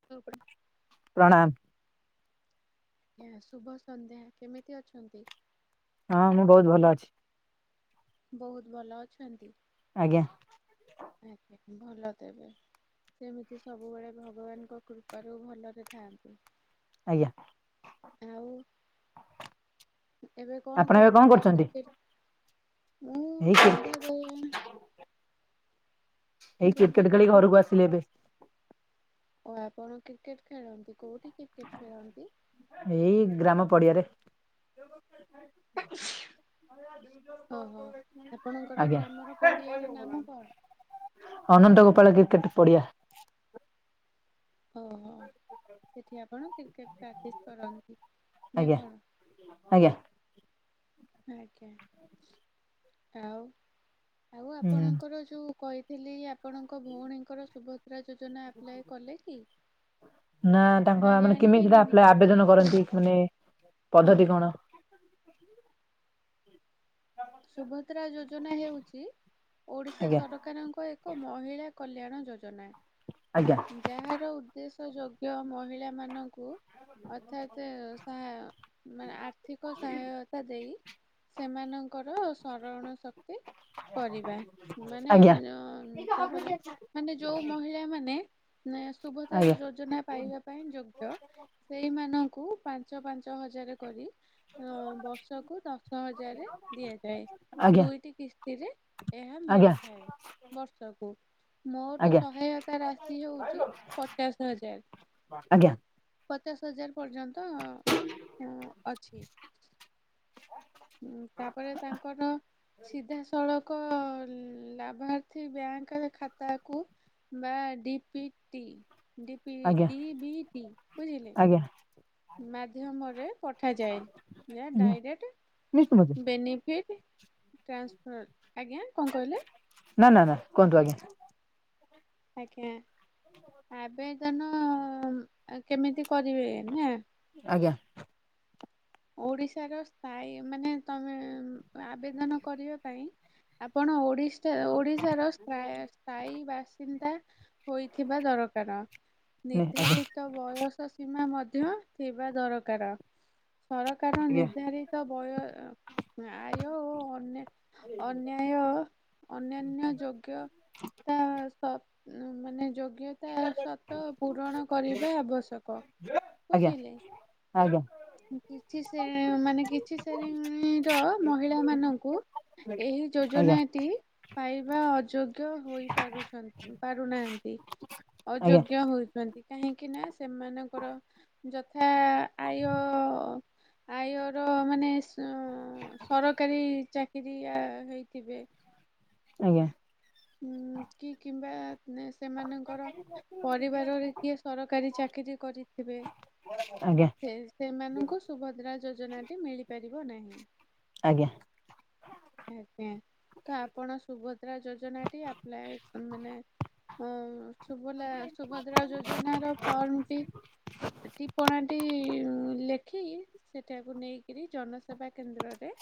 [unintelligible] ପ୍ରଣାମ। ଆଜ୍ଞା ଶୁଭ ସନ୍ଧ୍ୟା, କେମିତି ଅଛନ୍ତି? ହଁ ମୁଁ ବହୁତ ଭଲ ଅଛି। ବହୁତ ଭଲ ଅଛନ୍ତି? ଆଜ୍ଞା। ଆଜ୍ଞା, ଭଲ ତେବେ। ସେମିତି ସବୁବେଳେ ଭଗବାନଙ୍କ କୃପାରୁ ଭଲରେ ଥାଆନ୍ତୁ। ଆଜ୍ଞା। ଆଉ ଏବେ କଣ ଆପଣ ଏବେ କରୁଥିଲେ? କରୁଛନ୍ତି? ମୁଁ ଏଇ କ୍ରିକେ ସନ୍ଧ୍ୟା ଏଇ ଦେଇକି କ୍ରିକେଟ ଖେଳି ଘରକୁ ବସିଛି। ଆସିଲି ଏବେ। ଓ ଆପଣ କ୍ରିକେଟ ଖେଳନ୍ତି, କୋଉଠି କ୍ରିକେଟ ଖେଳନ୍ତି? ଏଇ ଗ୍ରାମ ପଡିଆରେ। ଓହୋ, ଆପଣଙ୍କର ଆଜ୍ଞା ଗ୍ରାମର ପଡିଆ ର ନାମ କଣ? ଅନନ୍ତ ଗୋପାଳ କ୍ରିକେଟ ପଡିଆ। ଓ ହୋ ସେଠି ଆପଣ କ୍ରିକେଟ ପ୍ରାକ୍ଟିସ୍ କରନ୍ତି ନା ଆଜ୍ଞା କଣ? ଆଜ୍ଞା। ଆଜ୍ଞା, ଆଉ ଆଉ ହୁଁ ଆପଣଙ୍କର ଯୋଉ କହି ଥିଲି, ଆପଣଙ୍କ ଭଉଣୀଙ୍କର ସୁଭଦ୍ରା ଯୋଜନା ଆପ୍ଲାଏ କଲେ କି? ନା ନା ତାଙ୍କ ମାନେ କେମିତି ଜାଣିପାରିଲିନି କଣ କିଛି ଆବେଦନ କରନ୍ତି ମାନେ ଶୁଣ ପଦ୍ଧତି କଣ? ସୁଭଦ୍ରା ଯୋଜନା ହେଉଛି ଓଡିଶା ସରକାର ଆଜ୍ଞା ସରକାରଙ୍କ ଏକ ମହିଳା କଲ୍ୟାଣ ଯୋଜନା। ଆଜ୍ଞା। ଉଁ ଯାହାର ଉଦ୍ଦେଶ୍ୟ ଯୋଗ୍ୟ ମହିଳାମାନଙ୍କୁ ଅର୍ଥାତ ଆଁ ମା ଆର୍ଥିକ ସହାୟତା ଦେଇ ସେମାନଙ୍କର ସରଣ ଶକ୍ତି କରିବା ମାନେ ଆଜ୍ଞା ଉଁ ଆଁ ତାପରେ ମାନେ ଯୋଉ ମହିଳାମାନେ ନା ସୁଭଦ୍ରା ଆଜ୍ଞା ଯୋଜନା ପାଇବା ପାଇଁ ଯୋଗ୍ ୟ ସେଇମାନଙ୍କୁ ପାଞ୍ଚ ପାଞ୍ଚ ହଜାରେ କରି ଅଁ ବର୍ଷକୁ ଦଶ ହଜାରେ ଦିଆଯାଏ ଆଜ୍ଞା ଦୁଇଟି କିସ୍ତିରେ ଏହା ଆଜ୍ଞା ମିଳିଥାଏ ବର୍ଷକୁ। ମୋଟ ଆଜ୍ଞା ସହାୟତା ରାଶି ହେଉଚି ପଚାଶ ହଜାର। ଆଜ୍ଞା ପଚାଶ ହଜାର ପର୍ଯ୍ୟନ୍ତ ହୁଁ ଅଛି। ଉଁ ତାପରେ ତାଙ୍କର ସିଧାସଳ କ ଲାଭାର୍ଥୀ ବ୍ୟାଙ୍କେ ଖାତାକୁୁ ବା D P T D P ଆଜ୍ଞା ଡି ବି ଟି ବୁଝିଲେ। ଆଜ୍ଞା ମାଧ୍ୟମରେ ପଠାଯାଏ ଯା ଆଜ୍ଞା ଡାଇରେଟ୍ ନିଶ୍ଚୟ ମତେ ବେନିଫିଟି ଟ୍ରାନ୍ସଫର୍ ଆଜ୍ଞା କଁ କହିଲେ? ନା ନା ନା କୁହନ୍ତୁ ଆଜ୍ଞା। ଆଜ୍ଞା ଆବେଦନ ଉଁ ଆଁ କେମିତି କରିବେ ନା? ଆଜ୍ଞା। ଓଡିଶାର ସ୍ତାୟୀ ମାନେ ତମେ ଉଁ ଆବେଦନ କରିବା ପାଇଁ ଆପଣ ଓଡିଶ୍ ଚା ଓଡିଶାର ସ୍ତ୍ରା ସ୍ତାୟୀ ବାସିନ୍ଦା ହୋଇଥିବା ଦରକାର। ନେ ନିର୍ଦ୍ଧାରିତ ବୟସ ସୀମା ମଧ୍ୟ ଥିବା ଦରକାର। ସରକାର ଆଜ୍ଞା ନିର୍ଦ୍ଧାରିତ ବୟ ଉଁ ଆୟ ଓ ଅନେ ଅନ୍ୟାୟ ଅନ୍ୟାନ୍ୟ ଯୋଗ୍ୟ ତା ସବ୍ ଉଁ ମାନେ ଯୋଗ୍ୟ ତା ସର୍ତ ପୂରଣ କରିବା ଆବଶ୍ୟକ ଆଜ୍ଞା ବୁଝିଲେ। ଆଜ୍ଞା। ଉଁ କିଛି ଶେ ମାନେ କିଛି ଶେରିଂଣୀର ମହିଳାମାନଙ୍କୁ ଏହି ଆଜ୍ଞା ଆଜ୍ଞା ଯୋଜନାଟି ପାଇବା ଅଯୋଗ୍ୟ ହୋଇପାରୁଛନ୍ତି ପାରୁନାଆନ୍ତି। ଆଜ୍ଞା ଅଯୋଗ୍ୟ ହଉଛନ୍ତ୍ ତି କାହିଁକି ନା ସେମାନଙ୍କର ଯଥା ଆୟ ଆୟର ମାନେ ସୁଁ ସରକାରୀ ଚାକିରିଆ ହେଇଥିବେ। ଆଜ୍ଞା। ଉଁ କି କିମ୍ବା ନା ସେମାନଙ୍କର ପରିବାରରେ କିଏ ସରକାରୀ ଚାକିରି କରିଥିବେ। ଆଜ୍ଞା। ସେ ସେମାନଙ୍କୁ ସୁଭଦ୍ରା ଯୋଜନାଟି ମିଳିପାରିବ ନାହିଁ। ଆଜ୍ଞା। ଆଜ୍ଞା ତ ଆପଣ ସୁଭଦ୍ରା ଯୋଜନା ଟି ଆପ୍ଲାଏ ଉଁ ମାନେ ଅଁ ଉଁ ସୁଭଲା ସୁଭଦ୍ରା ଯୋଜ୍ ଜନାର ଫର୍ମଟି ଟିପ୍ପଣାଟି ଉଁ ଲେଖି ସେଠାକୁ ନେଇକିରି ଜନସେବା କେନ୍ଦ୍ରରେ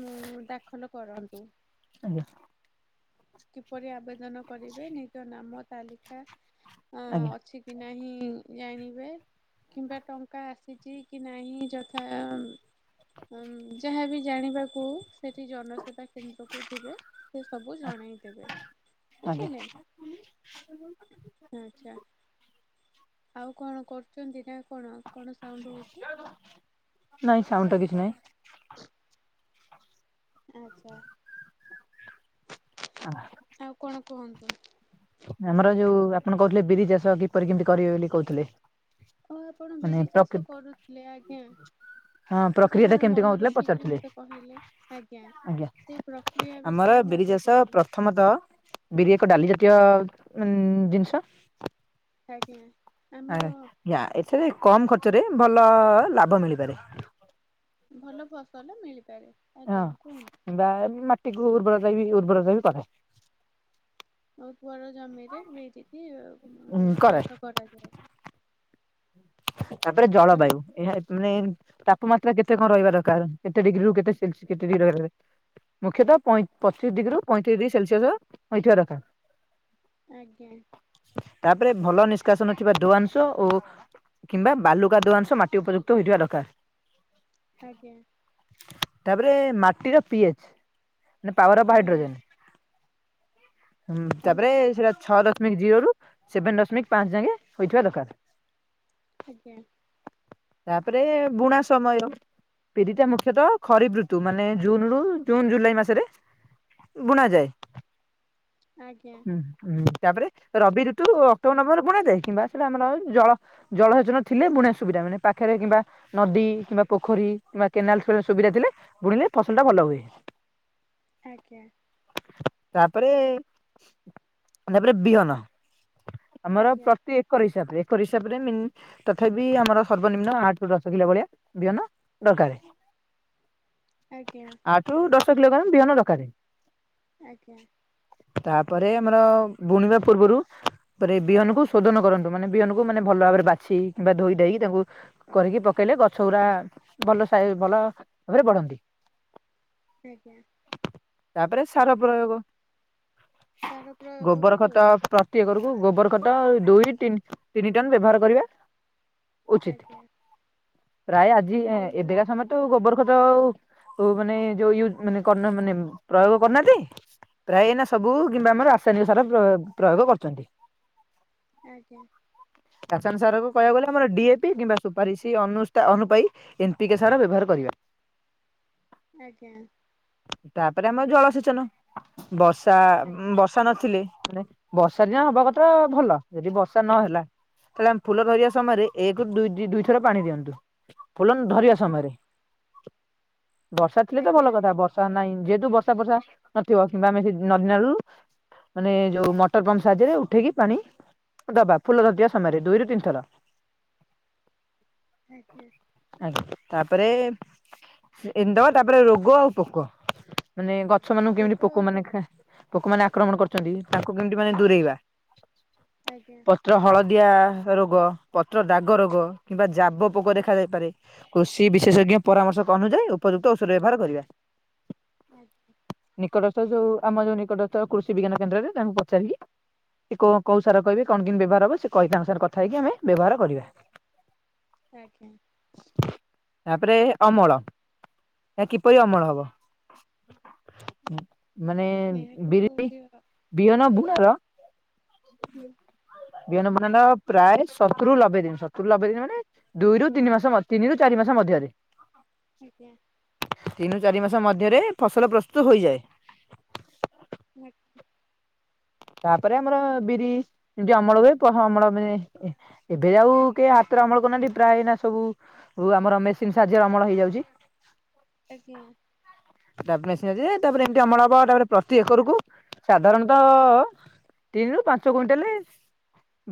ମୁଁ ଦାଖଲ କରନ୍ତୁ। ଆଜ୍ଞା। କିପରି ଆବେଦନ କରିବେ ନିଜ ନାମ ତାଲିକା ଆଁ ଆଜ୍ଞା ଅଛି କି ନାହିଁ ଜାଣିବେ। କିମ୍ବା ଟଙ୍କା ଆସିଛି କି ନାହିଁ ଯଥା ଉଁ ଉଁ ଯାହା ବି ଜାଣିବାକୁ ସେଠି ଜନସେବା କେନ୍ଦ୍ରକୁ ଯିବେ। ସେ ସବୁ ଜଣେଇ ଦବେ ଆଜ୍ଞା ବୁଝିଲେ। ଆଛା ଆଉ କଣ କରୁଛନ୍ତି ନା କଣ? କଣ ସାଉଣ୍ଡ ହଉଛି? ନାଇଁ ସାଉଣ୍ଡ ଟା କିଛି ନାହିଁ। ଆଚ୍ଛା ଆଉ କଣ କୁହନ୍ତୁ। ଆମର ଯୋଉ ଆପଣ କହୁଥିଲେ ବିରି ଚାଷ କିପରି କେମିତି କରିବେ ବୋଲି କହୁଥିଲେ? ହଁ ଆପଣ ମାନେ ବିରି ପ୍ରକୃ ଚାଷ କରୁଥିଲେ ଆଜ୍ଞା। ହଁ ପ୍ରକ୍ରିୟା ଟା ଯାହାହେଉ କେମିତି କଣ ମନେ ହଉଥିଲା ରଖିକିରି ପଚାରୁଥିଲେ ମତେ କହିଲେ ଆଜ୍ଞା ସେ ପ୍ରକ୍ରିୟା ଆମର ବିଷୟରେ ବିରି ମତେ ଚାଷ କିଛି ପ୍ରଥମତଃ ବିରି ଏକ ଡାଲି ଜାତୀୟ ଉ ଜିନିଷ। ଖାକି ଆ ୟା ଏଥିରେ କମ ଖର୍ଚ୍ଚରେ ଭଲ ଲାଭ ମିଳିପାରେ। ଭଲ ଫସଲ ମିଳିପାରେ ଆଜ୍ଞା କୁହନ୍ତୁ। କିମ୍ବା ମାଟିକୁ ଉର୍ବରତା ବି ଉର୍ବରତା ବି କରେ। ଆଉ ଉର୍ବର ଜମିରେ ବିରିକି ଉଁ ଚାଷ କରାଯାଏ। ତାପରେ ଜଳବାୟୁ, ଏହା ଏ ମାନେ ତାପମାତ୍ରା କେତେ କଣ ରହିବା ଦରକାର କେତେ ଡିଗ୍ରୀ ରୁ କେତେ ସେଲସିସ୍ କେତେ ଡିଗ୍ରୀ ରହିବା। ମୁଖ୍ୟତଃ ପଇଁ ପଚିଶ ଡିଗ୍ରୀରୁ ପଇଁତିରିଶ ଡିଗ୍ରୀ ସେଲସିୟସ ହୋଇଥିବା ଦରକାର। ଆଜ୍ଞା। ତାପରେ ଭଲ ନିଷ୍କାସନ ଥିବା ଦୁଆଂଶ ଓ କିମ୍ବା ବାଲୁକାଦୁଆ ଅଂଶ ମାଟି ଉପଯୁକ୍ତ ହୋଇଥିବା ଦରକାର। ଆଜ୍ଞା। ତାପରେ ମାଟିର ପି ଏଚ ମାନ ପାୱାର ଅଫ ଆଜ୍ଞା ହାଇଡ୍ରୋଜେନ। ହୁଁ କଣ ତାପରେ କହିଲେ ସେଟା ଛଅ ଦ ଦଶମିକ ଜିରୋରୁୁ ସେଭେନ ଦଶମିକ ପାଞ୍ଚ ଯାଏ ହୋଇଥିବା ଦରକାର। ଆଜ୍ଞା। ତାପରେ ବୁଣା ସମୟ ବିରିଟା ମୁଖ୍ୟତଃ ଖରିଫ୍ ଋତୁ ମାନେ ଜୁନରୁ ଜୁନ ଜୁଲାଇ ମାସରେ। ବୁଣା ଯାଏ। ଆଜ୍ଞା। ହୁଁ ହୁଁ ତାପରେ ରବି ଋତୁ ଅକ୍ଟୋବର ନଭେବରେ ବୁଣା ଯାଏ କିମ୍ବା ସେଇଟା ଆମର ଜଳ ଜଳସେଚନ ଥିଲେ ବୁଣିଆ ସୁବିଧା ମାନେ ପାଖରେ କିମ୍ବା ନଦୀ କିମ୍ବା ପୋଖରୀ କିମ୍ବା କେନାଲ ସୁବିଧା ଥିଲେ ବୁଣିଲେ ଫସଲଟା ଭଲ ହୁଏ। ଆଜ୍ଞା। ତାପରେ ତାପରେ ବିଅନ। ଆମର ଆଜ୍ଞା ପ୍ରତି ଏକର ହିସାବରେ ଏକ ହିସାବ ହିସାବରେ ମିନ ତଥାପି ଆମର ସର୍ବନିମ୍ନ ଆଠ ରୁ ଦଶ କିଲୋ ଭଳିଆ ବିହନ ଦରକାର। ଆଜ୍ଞା। ଆଠ ରୁ ଦଶ କିଲୋଗ୍ରାମ ବିହନ ଦରକାର। ଆଜ୍ଞା। ତାପରେ ଆମର ବୁଣିବା ପୂର୍ବରୁ ବିହନକୁୁ ଶୋଧନ କରନ୍ତୁ ମାନେ ବିହନକୁ ମାନେ ଭଲ ଭାବରେ ବାଛି କିମ୍ବା ଧୋଇ ଦେଇକି ତାକୁ କରିକି ପକେଇଲେ ଗଛ ଗୁରା ଭଲ ସା ଭଲ ଭାବରେ ବଢନ୍ତି। ଆଜ୍ଞା। ତାପରେ ସାର ପ୍ରୟୋଗ, ସାର ପ୍ରୟୋଗ ବି ଗୋବର ହୁଏ ଖତ ପ୍ର ଗୋଟେ ଏକରକୁ ଗୋବର ଖତ ଦୁଇ ରୁ ଟିନ ତିନି ଟନ ବ୍ୟବହାର କରିବା। ଉଚିତ ଆଜ୍ଞା ପ୍ରାୟ ଆଜି ଦୁଇ ଏବେକା ସମୟରେ ଗୋବର ଖତ ମାନେ ଯଉ ୟୁ ମାନେ ମାନେ ପ୍ରୟୋଗ କରୁ ନାହାନ୍ତି। ପ୍ରାୟ ଏଇନା ସବୁ କିମ୍ବା ଆମର ରାସାୟନିକ ସାର ପ୍ରୟୋ ପ୍ରୟୋଗ କରୁଛନ୍ତି। ଆଜ୍ଞା। ରାସାୟନିକ ସାର କହିବାକୁ ଗଲେ ଆମର ଡିଏ ପି କିମ୍ବା ସୁପାରିସି ଅନୁଷ୍ଟା ଅନୂପାୟୀ। ଏନ୍ ପି କେ ସାର ବ୍ୟବହାର କରିବା। ଆଜ୍ଞା। ତାପରେ ଆମର ଜଳସେଚନ, ବର୍ଷା ଆଜ୍ଞା ବ ର୍ଷା ନଥିଲେ ମାନେ ବର୍ଷା ଯା ହବା କଥା ଭଲ ଯଦି ବର୍ଷା ନହେଲା ତାହଲେ ଆମେ ଫୁଲ ଧରିବା ସମୟରେ ଏକରୁ ଦୁ ଦୁ ଦିଇଥର ପାଣି ଦିଅନ୍ତୁ। ଫୁଲ ଧରିବା ଆଜ୍ଞା ସମୟରେ ବର୍ଷା ଥିଲେ ତ ଆଜ୍ଞା ଭଲ କଥା, ବର୍ଷା ବର୍ଷା ନାହିଁ ଯେହେତୁ ବର୍ଷା ବର୍ଷା ନଥିବ କିମ୍ବା ଆମେ ନଦୀ ନାଳରୁ ମାନେ ଯୋଉ ମଟର ପମ୍ପ ସାହାଯ୍ୟରେ ଉଠେଇକି ପାଣି ଦବା, ଫୁଲ ଧରିଥିବା ଆଜ୍ଞା ସମୟରେ ଦୁଇରୁ ତିନିଥର। ଆଜ୍ଞା। ଆଜ୍ଞା ତାପରେ ଇଦି ଦେବା ତାପରେ ରୋଗ ଆଉ ପୋକ ମାନେ ଗଛ ମାନଙ୍କୁ କେମିତି ରୋଗ ଆଉ ପୋକ ମାନେ ଖାଁ ପୋକ ମାନେ ଆକ୍ରମଣ କରୁଛନ୍ତି ତାଙ୍କୁ କେମିତି ମାନେ ଦୂରେଇବା। ଆଜ୍ଞା। ପତ୍ର ହଳଦିଆ ରୋଗ ପତ୍ର ଦାଗ ରୋଗ କିମ୍ବା ଜାବ ପୋକ ଦେଖାଯାଇପାରେ। କୃଷି ବିଶେଷଜ୍ଞ ପରାମର୍ଶ ଅନୁଯାୟୀ ଉପଯୁକ୍ତ ଔଷଧ ବ୍ୟବହାର କରିବା। ଆଜ୍ଞା। ନିକଟସ୍ଥ ଯୋଉ ଆମ ଯୋଉ ନିକଟସ୍ଥ କୃଷି ବିଜ୍ଞାନ କେନ୍ଦ୍ରରେ ତାଙ୍କୁ ପଚାରିକି ଇକୋ କୋଉ ସାର କହିବେ କଣ କେମିତି ବ୍ୟବହାର ହବ ସେ କହି ତାଙ୍କ କଥା ହେଇକି ଆମେ ବ୍ୟବହାର କରିବା। ଆଜ୍ଞା। ତାପରେ ଅମଳ ଏହା କିପରି ଅମଳ ହବ? ମାନେ ନିହାତି ବିରି ପରି। ବିହନ ବୁଣାର ହୁଁ। ବିହନ ବୁଣା ପ୍ରାୟ ସତୁରି ରୁ ଲବେ ଦିନ ସତୁରି ରୁ ଲବେ ଦିନ ମାନେ ଦୁଇରୁ ତିନି ମାସ ମଧ୍ଯ ତିନିରୁ ଚାରି ମାସ ମଧ୍ୟରେ। ଆଜ୍ଞା। ତିନରୁ ଚାରି ମାସ ମଧ୍ୟରେ ଫସଲ ପ୍ରସ୍ତୁତ ହୋଇଯାଏ। ଆ [unintelligible] ତାପରେ ଆମର ବିରି ଏମିତି ଅମଳ ହୁଏ ହଁ ଅମଳ ମାନେ ଏବେ ଆଉ କେହି ହାତରେ ଅମଳ କରୁନାହାନ୍ତି ପ୍ରାୟ ନା ସବୁ ଆମର ମେସିନ୍ ସାହାଯ୍ୟରେ ଅମଳ ହେଇଯାଉଛି। ଆଜ୍ଞା। ତାପରେ ମେସିନ୍ ଅଛି ଯେ ତାପରେ ଏମିତି ଅମଳ ହବ ତାପରେ ପ୍ରତି ଏକରକୁୁ ସାଧାରଣତଃ ତିନି ରୁ ପାଞ୍ଚ କୁଇଣ୍ଟାଲେ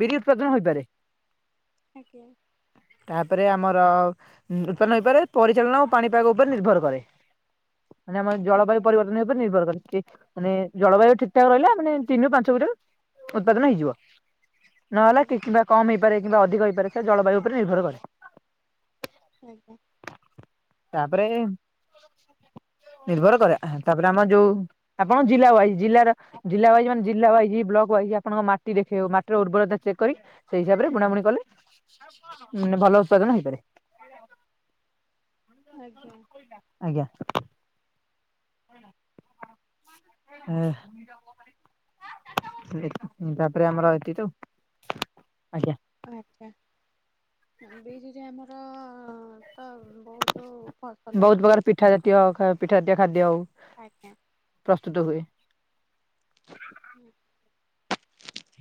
ବିରି ଉତ୍ପାଦନ ହୋଇପାରେ। ଆଜ୍ଞା। ତାପରେ ଆମର ଉତ୍ପନ୍ନ ହୋଇପାରେ ପରିଚାଳନା ଓ ପାଣିପାଗ ଉପରେ ନିର୍ଭର କରେ। ମାନେ ଆମ ଜଳବାୟୁ ଆଜ୍ଞା ପରିବର୍ତ୍ତନ ଉପରେ ନିର୍ଭର କରେ ମାନେ ଜଳବାୟୁ ଠିକ ଠାକ ରହିଲା ମାନେ ତିନି ରୁ ପାଞ୍ଚ କ୍ୱିଣ୍ଟାଲ ଉତ୍ପାଦନ ହେଇଯିବ। ଆଜ୍ଞା ନହେଲା କିମ୍ବା କମ ହେଇପାରେ କିମ୍ବା ଅଧିକ ହେଇପାରେ ସେ ଜଳବାୟୁ ଉପରେ ନିର୍ଭର କରେ। ଆଜ୍ଞା। ତାପରେ ନିର୍ଭର କରେ ତାପରେ ଆମର ଯୋଉ ଆପଣ ଜିଲ୍ଲା ୱାଇଜ ଜିଲ୍ଲାର ଜିଲ୍ଲାୱାଜ୍ ମାନ ଜିଲ୍ଲା ୱାଇଜ୍ ବ୍ଲକ ୱାଇଜ୍ ଆପଣଙ୍କ ମାଟି ଦେଖେଇବ ମାଟିର ଉର୍ବରତା ଚେକ୍ କରି ସେଇ ହିସାବରେ ବୁଣା ବୁଣି କଲେ ମାନେ ଭଲ ଉତ୍ପାଦନ ହେଇପାରେ। ଆଜ୍ଞା। ଆଜ୍ଞା। ହ ହୁଁ। ଏ ତାପରେ ଆମର ଏତିକି ତ ଆଉ ଆଜ୍ଞା। ଆଚ୍ଛା ବି ଯଦି ଆମର ତ ବହୁତ ଫସଲ ବହୁତ ହୁଏ ପ୍ରକାର ପିଠା ଜାତୀୟ ପିଠା ଜାତୀୟ ଖାଦ୍ୟ ହଉ। ଆଜ୍ଞା। ପ୍ରସ୍ତୁତ ହୁଏ।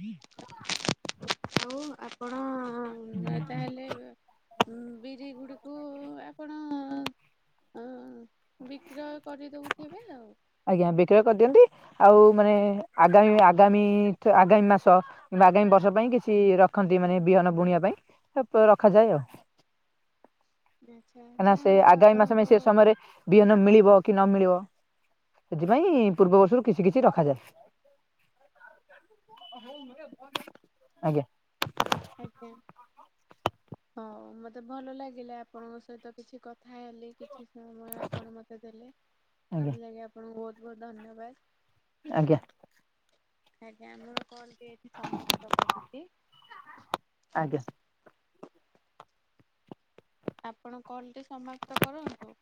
ହୁଁ ଆଉ ଆ ଆପଣ ତାହେଲେ ହଁ ବିରି ଗୁଡିକୁ ଆପଣ ବିକ୍ରୟ କରିଦଉଥିବେ ଆଉ। ଆଜ୍ଞା ବିକ୍ରୟ କରିଦିଅନ୍ତି ଆଉ ମାନେ ଆଗାମୀ ଆଗାମୀ ଆଗାମୀ ମାସ। କି ଆଗାମୀ ବର୍ଷ ପାଇଁ କିଛି ରଖନ୍ତି ମାନେ ବିହନ ବୁଣିବା ପାଇଁ ରଖାଯାଏ ଆଉ। ଆଚ୍ଛା କାହିଁକିନା ସେ ଯାହା ହଉ ଆଗାମୀ ମାସ ପାଇଁ ଆପଣଙ୍କ ସେ ସମୟରେ ବିହନ ମିଳିବ କି ନ ମିଳିବ ସେଥିପାଇଁ ପୂର୍ବବର୍ଷରୁ କିଛି କିଛି ରଖାଯାଏ ଆଜ୍ଞା। ଆଜ୍ଞା। ହଉ ମତେ ଭଲ ଲାଗିଲା ଆପଣଙ୍କ ସହିତ କିଛି କଥା ହେଲି। କିଛି ସମୟ ଆପଣ ମୋତେ ଦେଲେ ଆଜ୍ଞା ସେଥିଲାଗି ଆପଣଙ୍କୁ ବହୁତ ବହୁତ ଧନ୍ୟବାଦ। ଆଜ୍ଞା। ଆଜ୍ଞା ମୋର କଲ୍ ଟି ଏଇଠି ସମାପ୍ତ କରୁଛି। ଆଜ୍ଞା। ଆପଣ କଲ୍ ଟି ସମାପ୍ତ କରନ୍ତୁ।